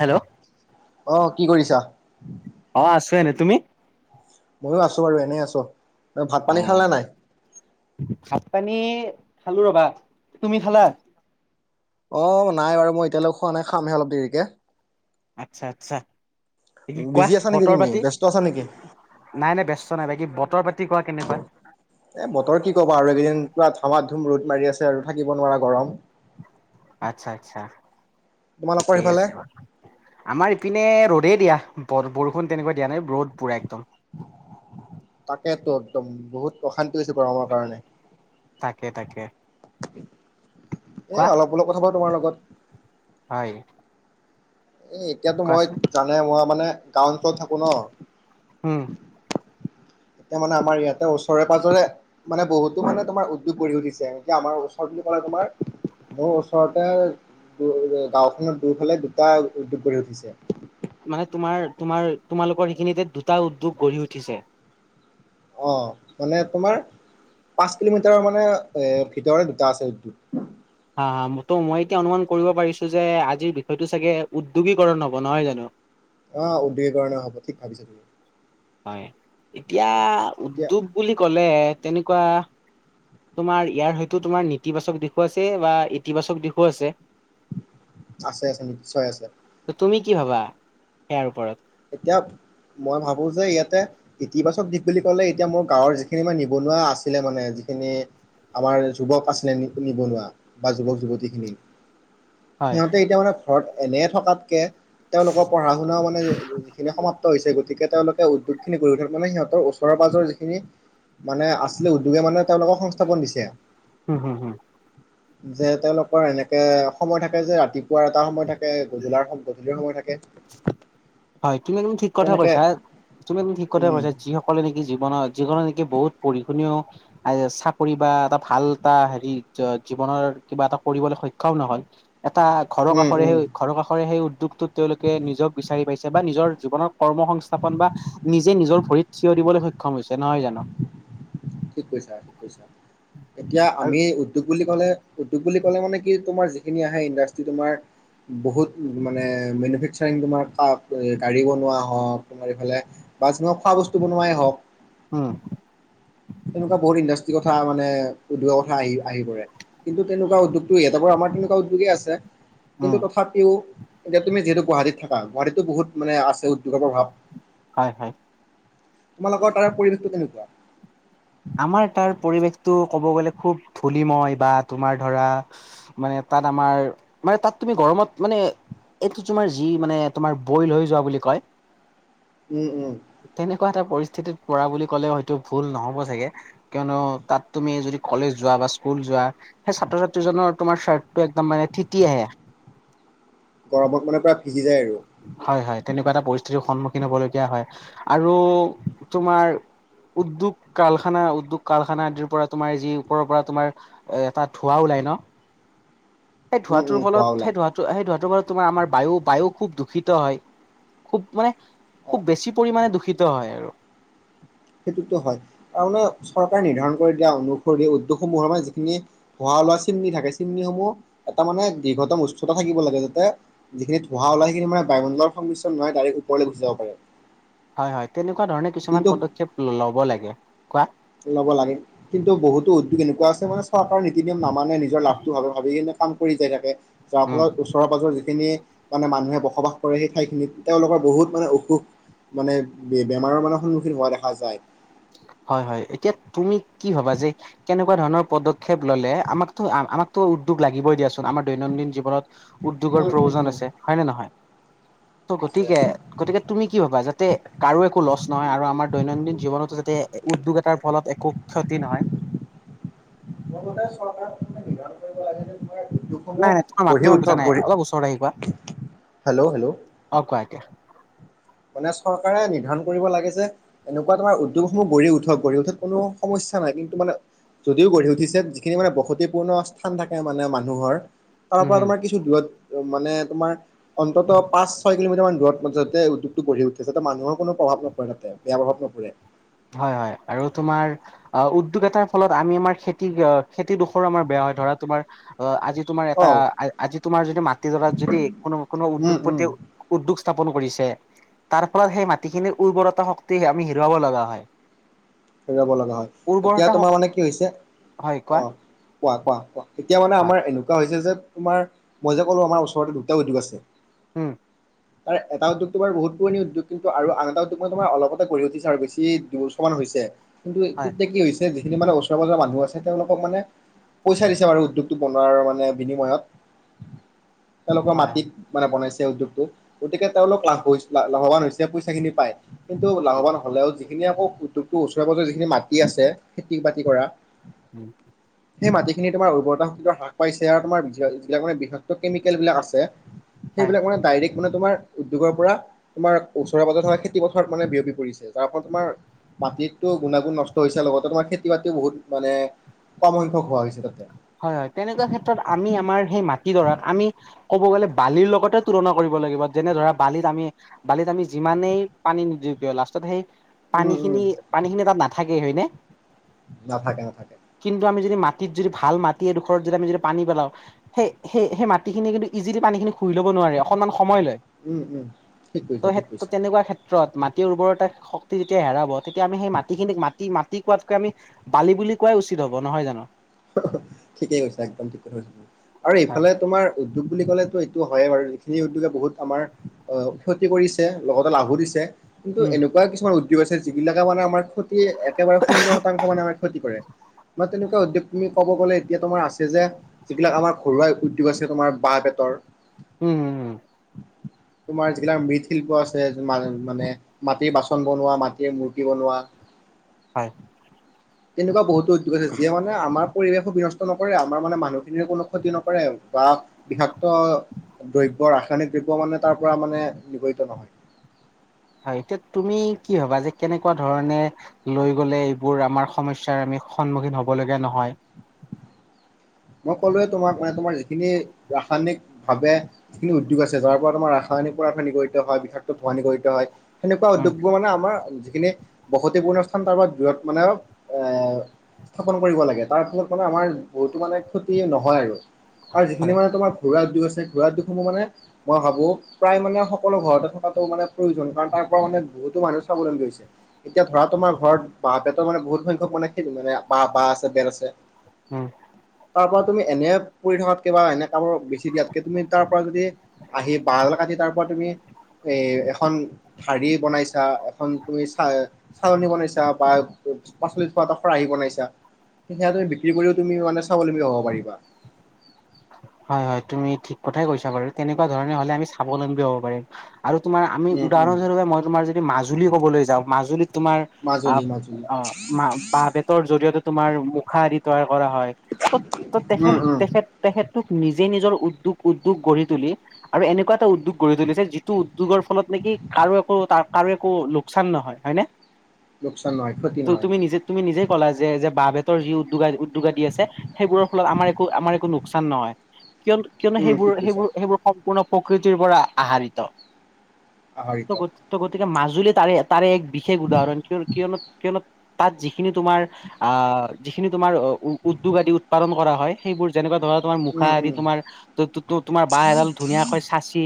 Hello? অ কি কৰিছা? অঁ, আছো এনে, তুমি? মইয়ো আছো বাৰু, এনেই আছো। ভাত অ -পানী খালা নে নাই? ভাত- পানী খালো ৰবা, তুমি খালা? অঁ, নাই বাৰু মই এতিয়ালৈক খোৱা নাই, খামহে অলপ দেৰিকে। আচ্ছা, আচ্ছা। বাকী কোৱা বিজি আছা নেকি বতৰ তুমি পাতি? ব্যস্ত আছা নেকি নাই- নাই ব্যস্ত নাই, বাকী বতৰ পাতি কোৱা কেনেকুৱা? এ বতৰ কি ক'বা আৰু এইকেইদিন পুৰা ধামা ধুম ৰ'দ মাৰি আছে আৰু থাকিব নোৱাৰা গৰম। আচ্ছা, আচ্ছা, তোমালোকৰ ঠিকেই সেইফালে আছে বাৰু। আমাৰ ইপিনে ৰ'দেই দিয়া। বৰ-বৰষুণ তেনেকৈ দিয়া নাই, এই ৰ'দ পুৰা একদম। তাকে তো, একদম বহুত অশান্তি হৈছে গৰমৰ কাৰণে। তাকে, তাকে। এ কোৱা অলপ -অলপ কথা পাতো তোমাৰ লগত। হয়। এ এতিয়াতো মই কোৱাচোন জানাই, মই মানে গাঁও অঞ্চলত থাকো ন। উম। এতিয়া মানে আমাৰ ইয়াতে ওচৰে -পাজৰে- মানে বহুতো মানে তোমাৰ উদ্যোগ গঢ়ি উঠিছে। এনেকে আমাৰ ওচৰত বুলি ক'লে তোমাৰ- মোৰ ওচৰতে গাওঁখনত দুইফালে দুটা উদ্যোগ গঢ়ি উঠিছে। মানে তোমাৰ -তোমাৰ, তোমালোকৰ সেইখিনিতে দুটা উদ্যোগ গঢ়ি উঠিছে। অঁ, মানে তোমাৰ- পাঁচ কিলোমিটাৰৰ মানে এ ভিতৰে দুটা আছে উদ্যোগ। হা -হা। ত' মই এতিয়া অনুমান কৰিব পাৰিছো যে আজিৰ বিষয়টো চাগে উদ্যোগীকৰণ হ'ব, নহয় জানো? অঁ, উদ্যোগিকৰণে হব ঠিক ভাবিছা তুমি। হয়, এতিয়া এতিয়া উদ্যোগ বুলি কলে তেনেকুৱা- তোমাৰ ইয়াৰ হয়তো, তোমাৰ নেতিবাচক দিশো আছে বা ইতিবাচক দিশো আছে। আছে, আছে, নিশ্চয় আছে। তুমি কি ভাবা, সেইয়াৰ ওপৰত? এতিয়া, মই ভাবো যে ইয়াতে- ইতিবাচক দিশ বুলি ক'লে এতিয়া মোৰ গাঁৱৰ যিখিনি মানে নিবনুৱা আছিলে মানে, যিখিনি- আমাৰ যুৱক আছিলে নিবনুৱা বা যুৱক যুৱতীখিনি। হয়। সিহঁতে এতিয়া মানে ঘৰত এনে থকাতকে, তেওঁলোকৰ পঢ়া শুনাও মানে- যিখিনি সমাপ্ত হৈছে। গতিকে তেওঁলোকে উদ্যোগখিনি গঢ়ি উঠাত মানে সিহঁতৰ ওচৰে পাজৰে যিখিনি- মানে আছিলে, উদ্যোগে মানুহে তেওঁলোকক সংস্থাপন দিছে। হুম, হুম। [inaudible] যে তেওঁলোকৰ এনেকে সময় থাকে যে ৰাতিপুৱাৰ এটা সময় থাকে, গধূলাৰ গধূলিৰ সময় থাকে। হয়, তুমি একদম ঠিক কথা তেনেকে কৈছা, তুমি একদম ঠিক কথাই উম কৈছা। যি- সকলে নেকি জীৱনত, জীৱনত নেকি বহুত পঢ়ি শুনিও- চাকৰি বা এটা ভাল, এটা হেৰি জীৱনৰ কিবা এটা কৰিবলৈ সক্ষম নহ'ল, - এটা ঘৰৰ উম কাষৰে উম সেই, ঘৰৰ কাষৰে সেই উদ্যোগটোত তেওঁলোকে নিজক বিচাৰি পাইছে। বা নিজৰ জীৱনৰ কৰ্ম সংস্থাপন বা নিজে নিজৰ ভৰিত থিয় দিবলৈ সক্ষম হৈছে, নহয় জানো? ঠিক কৈছা, ঠিক কৈছা। এতিয়া আৰু আমি উদ্যোগ বুলি ক'লে, উদ্যোগ বুলি ক'লে মানে কি তোমাৰ যিখিনি আহে ইণ্ডাষ্ট্ৰি তোমাৰ- বহুত মানে মেনুফেকচাৰিং তোমাৰ গাড়ী বনোৱা হওঁক, তোমাৰ এইফালে- বা যোনবিলাক খোৱা বস্তু বনোৱাই হওঁক। উম। তেনেকুৱা বহুত ইণ্ডাষ্ট্ৰিৰ কথা মানে, উদ্যোগৰ কথা আহি, আহি পৰে। কিন্তু তেনেকুৱা উদ্যোগটো ইয়াতে বাৰু আমাৰ তেনেকুৱা উদ্যোগেই আছে, উম কিন্তু তথাপিও এতিয়া তুমি যিহেতু গুৱাহাটীত থাকা, গুৱাহাটীতটো বহুত মানে আছে উদ্যোগৰ প্ৰভাৱ। হয়, হয়। তোমালোকৰ তাৰে পৰিৱেশটো কেনেকুৱা? আমাৰ তাৰ পৰিৱেশটো ক'ব গ'লে, খুব ধূলিময় বা তোমাৰ ধৰা মানে তাত আমাৰ, মানে তাত তুমি গৰমত মানে এইটো তোমাৰ যি মানে, তোমাৰ এইটো বই লৈ যোৱা বুলি কয়। উম, উম। তেনেকুৱা এটা পৰিস্থিতিত পৰা বুলি ক'লে হয়তো, ভুল নহ'ব চাগে, কিয়নো তাত তুমি যদি কলেজ যোৱা বা স্কুল যোৱা সেই ছাত্ৰ-ছাত্ৰীজনৰ তোমাৰ চাৰ্টটো একদম মানে তিতি আহে। গৰমত মানে প্ৰায় ভিজি যায় আৰু। হয়, হয়, তেনেকুৱা এটা পৰিস্থিতিৰ সন্মুখীন হবলগীয়া হয় আৰু তোমাৰ উদ্যোগ কাৰখানা, উদ্যোগ কল কাৰখানা আদিৰ পৰা তোমাৰ যি ওপৰৰ পৰা তোমাৰ এ, এটা ধোঁৱা ওলাই ন' [inaudible] সেই উম উম ধোঁৱাটোৰ ধোৱা ফলত, ওলাই সেই ধোঁৱাটো, সেই ধোঁৱাটো ফলত তোমাৰ আমাৰ বায়ু, বায়ু খুব দু ষিত হয়, খুব মানে, অ খুব বেছি পৰিমাণে দূষিত হয় আৰু। সেইটোতো হয় তাৰমানে চৰকাৰে নিৰ্ধাৰণ কৰি দিয়া অনুসৰি উদ্যোগসমূহৰ মানে যিখিনি ধোঁৱা ওলোৱা চিমনি থাকে, চিমনিসমূহ এটা মানে দীৰ্ঘতম উচ্চতা থাকিব লাগে যাতে যিখিনি ধোঁৱা ওলাই সেইখিনি মানে বায়ুমণ্ডলত সংমিশ্ৰণ নহৈ ডাইৰেক্ট ওপৰলৈ গুচি যাব পাৰে। হয়, হয়, তেনেকুৱা ধৰণে কিছুমান কিন্তু পদক্ষেপ ল'ব লাগে। কোৱা ল'ব লাগে। কিন্তু বহুতো উদ্যোগ এনেকুৱা আছে মানে চৰকাৰৰ নীতি - নিয়ম নামানে নিজৰ লাভটো ভাবি ভাবিকিনে কাম কৰি যায় থাকে। যাৰ উম ফলত ওচ চৰ পাজৰ যিখিনি মানে মানুহে বসবাস কৰে সেই ঠাইখিনিত, তেওঁলোকৰ বহুত মানে অসুখ। মানে বে বেমাৰৰ মানে সন্মুখীন হোৱা দেখা যায়। হয় হয় এতিয়া তুমি কি ভবা যে কেনেকুৱা ধৰণৰ পদ ক্ষেপ ল'লে আমাকতো আমাকতো উদ্যোগ লাগিবই দিয়াচোন আমাৰ দৈনন্দিন জীৱনত উদ্যোগৰ উম উম প্ৰয়োজন উম আছে হয় নে নহয়? ত' আছে গতিকে আছে। গতিকে তুমি কি ভাবা যাতে কাৰো একো লছ নহয় আৰু আমাৰ দৈনন্দিন জীৱনত টো যাতে এ উদ্যোগ এটাৰ ফ'লত একো ক্ষতি নহয়। নাই নাই তোমাৰ [unintelligible] মাতটো পঢ়ি মই বুজা উঠক নাই পঢ়ি, অলপ ওচৰত আহি কোৱা হেল্ল' হেল্ল'? অ', কোৱা এতিয়া? মানে চৰকাৰে নিৰ্ধাৰন কৰিব লাগে যে এনেকুৱা তোমাৰ উদ্যোগসমূ্হ গঢ়ি উঠক, গঢ়ি উঠাত কোনো সমস্যা নাই কিন্তু মানে যদিও গঢ়ি উঠিছে যিখিনি মানে বসতিপূৰ্ণ স্থান থাকে মানে মানুহৰ। তাৰ উম পৰা হম তোমাৰ কিছু দূৰত মানে তোমাৰ অন্ততঃ পাঁচ, ছয় কিলোমিটাৰ মান দূৰত যতে উদ্যোগ টো গঢ়ি উঠি তেতিয়া মানুহৰ কোনো প্ৰভাৱ নপৰে তাতে, বেয়া প্ৰভাৱ নপৰে। হয় হয় আৰু তোমাৰ আহ উদ্যোগ এটাৰ ফ'লত আমি আমাৰ খেতি অ খেতিডোখৰো আমাৰ বেয়া হয় ধৰা তোমাৰ অ', আজি তোমাৰ অ এটা, আজি তোমাৰ যদি মাটিডৰাত যদি কোনো কোনো উম উদ্যোগ উম প্ৰতি উদ্যোগ স্থাপন কৰিছে, তাৰ ফ'লত সেই মাটিখিনিৰ উৰ্বৰতা শক্তি আমি হেৰুৱাব লগা হয়। [inaudible] হেৰুৱাব লগা হয়, এতিয়া উৰ্বৰতা তোমাৰ শক্তি মানে কি হৈছে। হয় কোৱা অ', কোৱা কোৱা কোৱা। এতিয়া মানে হয় আমাৰ এনেকুৱা হৈছে যে, তোমাৰ মইযে ক'লো, আমাৰ ওচৰতে দুটা উদ্যোগ আছে। উম্। [inaudible] তাৰ এটা উদ্যোগ তোমাৰ বহুত পুৰণি উ্যোগ আৰু এটা উদ্যোগ তোমাৰ বহুত পুৰণি উদ্যোগ, কিন্তু আৰু আন এটা উদ্যোগ মানে তোমাৰ অলপতে গঢ়ি উঠিছে, আৰু বেছি দুইবছৰ মান হৈছে। কিন্তু হয় তেতিয়া কি হৈছে, যিখিনি মানে ওচৰৰ পাজৰৰ মানুহ আছে, তেওঁলোকক মানে পইচা দিছে বাৰু উদ্যোগটো বনোৱাৰ মানে বিনিময়ত, তেওঁলোকৰ হয় মাটিত মানে বনাইছে উদ্যোগটো। গতিকে, তেওঁলোক লাভ কৈছে, লাভৱান হৈছে পইচা খিনি পাই। কিন্তু হয় লাভৱান হ'লেও যিখিনি আকৌ, উদ্যোগটো ওচৰে-পাছৰে যিখিনি মাটি আছে, খেতি-বাতি কৰা। উম্। সেই মাটিখিনি তোমাৰ উৰ্বৰতা হ্ৰাস পাইছে, আৰু তোমাৰ যিবিলাক মানে বিষাক্ত কেমিকেল বিলাক আছে। হয় সেইবিলাক মানে, ডাইৰেক্ট মানে তোমাৰ উদ্যোগৰ পৰা তোমাৰ ওচৰে-পাজৰে থকা খেতি-পথাৰত মানে বিয়পি পৰিছে, যাৰফলত তোমাৰ মাটিত গুণাগুণ নষ্ট হৈছে, লগতে তোমাৰ খেতি-বাতিও বহুত মানে ক'ম সংখ্যক হোৱা হৈছে তাতে। হয় হয়, তেনেকুৱা ক্ষেত্ৰত আমি আমাৰ সেই মাটিদৰাক আমি ক'ব গ'লে বালিৰ লগতে তুলনা কৰিব লাগিব, যেনে ধৰা বালিত আমি বালিত আমি যিমানে পানী নিদিওঁ কিয়, লাষ্টত সেই উম উম পানীখিনি, পানীখিনি তাত নাথাকে, হয়নে! নাথাকে নাথাকে। কিন্তু আমি যদি, মাটিত যদি ভাল মাটি এডোখৰত যদি আমি যদি পানী পেলাওঁ সেই, সেই সেই মাটিখিনি কিন্তু ইজিলি পানীখিনি শুহি ল'ব নোৱাৰে, অকণমান সময় লয়। উম উম ঠিক কৈছা ত' ঠিক সেই কৈছা তেনেকুৱা ক্ষেত্ৰ ৰ'দ, মাটিৰ উৰ্বৰতা শক্তি যেতিয়া হেৰাব, তেতিয়া আমি সেই মাটিখিনিক মাটি, মাটি কোৱাতকে আমি বালি বুলি কোৱায় উচিত হ'ব, নহয় জানোঁ। ঠিকে কৈছাঁ, একদম ঠিক কথা কৈছাঁ, আৰু হয় এইফালে তোমাৰ উদ্যোগ বুলি ক'লেতো, এইটো হয়ে বাৰু, যিখিনি উদ্যোগে বহুত আমাৰ অ', ক্ষতি কৰিছে, লগতে লাভো দিছে। কিন্তু উম এনেকুৱা কিছুমান উদ্যোগ আছে, যিবিলাকে মানে আমাৰ ক্ষ একেবাৰে শূন্য শতাংশ মানে আমাৰ ক্ষতি কৰে, মই তেনেকুৱা উদ্যোগ তুমি ক'ব গ'লে, এতিয়া তোমাৰ আছে যে, যিবিলাক আমাৰ ঘৰুৱা উদ্যোগ আছে, তোমাৰ বাঁহ-বেতৰ। উম্, উম্, উম্। তোমাৰ যিবিলাক মৃৎশিল্প আছে মানে। মাটিৰ বাচন বনোৱা, মাটিৰে মূৰ্তি বনোৱা। হয়। এনেকুৱা বহুতো উদ্যোগ আছে, যিয়ে মানে আমাৰ পৰিৱেশো বিনষ্ট নকৰে, আমাৰ মানে মানুহখিনিৰ কোনো ক্ষতি নকৰে বা বৃষাক্ত দ্ৰব্য, ৰাসায়নিক দ্ৰব্য মানে, তাৰপৰা মানে নিগড়িত নহয়। হয়, এতিয়া তুমি কি ভাবা যে কেনেকুৱা ধৰণে লৈ গ'লে এইবোৰ, আমাৰ সমস্যাৰ আমি সন্মুখীন হ'ব লগীয়া নহয়। মই কলোঁৱে, তোমাক মানে তোমাৰ এই খিনি ৰাসায়নিক ভাবে যিখিনি উদ্যোগ আছে, যাৰ পৰা তোমাৰ ৰাসায়নিক পদাৰ্থ নিৰ্গত হয়, বিষাক্ত ধুৱনিকৰিত হয়। সেনেকুৱা উম উদ্যোগবোৰ মানে আমাৰ যিখিনি বসতিপূৰ্ণ স্থান তাৰ পৰা দূৰত মানে এ স্থাপন কৰিব লাগে, তাৰফলত মানে আমাৰ বহুতো মানে ক্ষতি নহয় আৰু হয় যিখিনি মানে তোমাৰ ঘৰুৱা উদ্যোগ আছে ঘৰুৱা উদ্যোগসমূহ মানে মই ভাবোঁ, প্ৰায় মানে সকলো ঘৰতে থকাতটো মানে প্ৰয়োজন। কাৰণ তাৰ পৰা মানে বহুতো মানুহে চাবলৈছে। এতিয়া ধৰা তোমাৰ আমাৰ ঘৰত বাঁহ বেতৰ মানে বহুত সংখ্যক মানে [unintelligible] মানে বা বাঁহ আছে, বেত আছে উ'ম। তাৰ পৰা তুমি এনে পৰি থকাতকে কিবা এনে [unintelligible] দিয়াতকে তুমি তাৰ পৰা যদি, আহি বাঁহ এডাল কাটি তাৰ পৰা তুমি এ এখন ঢাৰি বনাইছা, এখন তুমি চা চালনি বনাইছা বা পাচলি থোৱা এটা খৰাহি বাইছা, সেয়া তুমি বিক্ৰী কৰিও তুমি মানে স্বাৱলম্বী হব পাৰিবা। হয় হয় তুমি ঠিক কথাই কৈছা বাৰু, তেনেকুৱা ধৰণে হলে আমি স্বাৱলম্বী হব পাৰি। আৰু তোমাৰ আমি উম উম উদাহৰণস্বৰূপে মই তোমাৰ যদি মাজুলী ক'বলৈ যাওঁ, মাজুলীত তোমাৰ আ মাজুলী মাজুলী অ মা বাঁহ বেতৰ জৰিয়তে তোমাৰ মুখা আদি তৈয়াৰ কৰা হয়। ত' ত তেখেত উম উম তেখেত তেখেতো নিজে নিজৰ উদ্যোগ উদ্যোগ গঢ়ি তুলি আৰু এনেকুৱা এটা উদ্যোগ গঢ়ি তুলিছে যিটো উদ্যোগৰ ফলত নেকি কাৰো একো [unintelligible] কাৰো একো চান নহয়, হয়নে? লোকচান নহয় ক্ষতি ত নহয়। তুমি নিজে তুমি নিজেই ক'লা যে যে বাঁহ বেতৰ যি উদ্যোগ উদ্যোগ আদি আছে, সেইবোৰৰ ফলত আমাৰ একো আমাৰ একো লোকচান [unintelligible] নহয় কিয় কিয়নো উম সেইবোৰ ঠিক কৈছা সেইবোৰ সেইবোৰ পূৰ্ণ প্ৰকৃতিৰ পৰা আহাৰিত আহৰিত ত' গতি ত' গতিকে মাজুলী তাৰে তাৰে এক বিশেষ উদাহৰণ। কিয় কিয়নো কিয়নো তাত যিখিনি তোমাৰ আহ যিখিনি তোমাৰ উদ্যোগ আদি কৰা হয়, সেইবোৰ যেনেকুৱা ধৰা তোমাৰ মুখা উম আদি উম তোমাৰ তো-তো-তো তোমাৰ বাঁহ এডাল ধুনীয়াকৈ চাঁচি,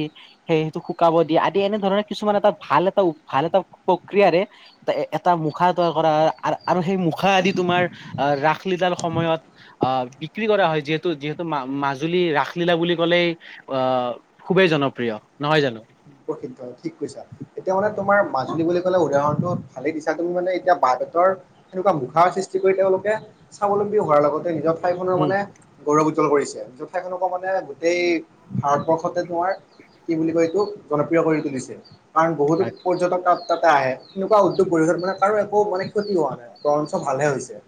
সেইটো শুকাব দিয়া, আদি এনে ধৰণে কিছুমান এটা ভাল এটা ভাল এটা প্ৰক্ৰিয়াৰে [unintelligible] এটা মুখা তৈয়াৰ কৰা হয় আৰু সেই মুখা আদি তোমাৰ, আহ ৰাসলীলাৰ সময়ত আহ বিক্ৰী কৰা হয় যিহেতু যিহেতু মা মাজুলী ৰাসলীলা বুলি ক'লেই অ, খুবেই জনপ্ৰিয়। নহয় জানো? [unintelligible] ঠিক কৈছা। এতিয়া মানে তোমাৰ মাজুলী বুলি ক'লে উদাহৰণটো ভালেই দিছা, তুমি মানে এতিয়া বাহঁ বেতৰ এনেকুৱা মুখাৰ সৃষ্টি কৰি তেওঁলোকে স্বাৱলম্বী হোৱাৰ লগতে নিজৰ ঠাইখনৰো উম মানে গৌৰৱ উজ্বল কৰিছে। [unintelligible] ঠাইখনকো মানে গোটেই, ভাৰতবৰ্ষতে তোমাৰ কি বুলি কয় এইটো জনপ্ৰিয় কৰি তুলিছে। কাৰণ বহুতো হয় পৰ্যটক তাত তাতে আহে। এনেকুৱা উদ্যোগ [unintelligible] মানে কাৰো একো মানে ক্ষতি হোৱা নাই, বৰঞ্চ ভালহে হৈছে।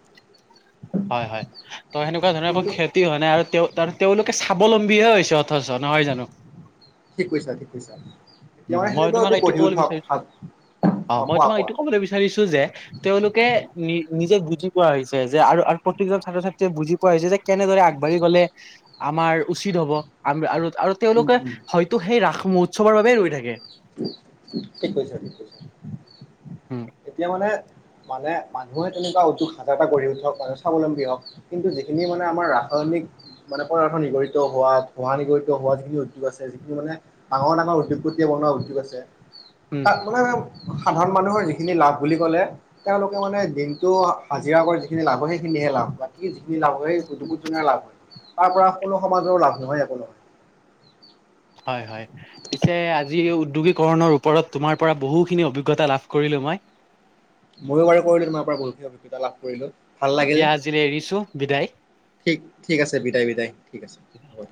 হয় হয় ত সেনেকুৱা ধৰণৰ একো‌ কিন্তু ক্ষতি হোৱা নাই আৰু তেওঁ তেওঁলোকে স্বাৱলম্বী হে হৈছে অথচ নহয় জানো? ঠিক কৈছা ঠিক কৈছা। এতিয়া উম মানে মই সেনেকুৱা তোমাক [unintelligible] এইটো গঢ়ি ক'বলৈ উঠক, বিচাৰিছো অ মই কোৱা তোমাক কোৱা এইটো ক'বলৈ বিচাৰিছো যে তেওঁলোকে নি নিজে বুজি পোৱা হৈছে, যে আৰু আৰু প্ৰত্যেকজন ছাত্ৰ- ছাত্ৰীয়ে বুজি পোৱা হৈছে যে কেনেদৰে আগবাঢ়ি গ'লে আমাৰ উচিত হ'ব, আম আৰু আৰু উম তেওঁলোকে উম হয়তো সেই ৰাস মহোৎসৱৰ বাবে ৰৈ থাকে! ঠিক কৈছা। উম এতিয়া মানে মানে মানুহে তেনেকুৱা উদ্যোগ হাজাৰটা গঢ়ি উঠক আৰু স্বাৱলম্বী হওক কিন্তু যিখিনি মানে আমাৰ ৰাসায়নিক মানে পদাৰ্থ নিগৰিত হোৱাত, ধোৱা নিগৰিত হোৱা যিখিনি উদ্যোগ আছে যিখিনি মানে ডাঙৰ ডাঙৰ উদ্যোগপতিয়ে বনোৱা উদ্যোগ আছে উম তাত মানে সাধাৰণ মানুহৰ যিখিনি লাভ বুলি কলে তেওঁলোকে মানে দিনটো হাজিৰা কৰি যিখিন লাভ হয় সেইখিনিহে লাভ বাকি যিখিনি লাভ হয় দুুকুটজনেই লাভ তাৰ পৰা কোনো সমাজৰো লাভ নহয় একো নহয় হয় হয় পিছে আজি উদ্যোগীকৰণৰ ওপৰত তোমাৰ পৰা বহুখিনি অভিজ্ঞতা লাভ কৰিলো মই ময়ো বাৰু কৰিলো তোমাৰ পৰা বহুতখিনি অভিজ্ঞতা লাভ কৰিলো। দিয়া আজিলে এৰিছো বিদায়। ঠিক ঠিক আছে বিদায় বিদায় ঠিক আছে হ'ব।